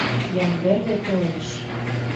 Ямберде толеш.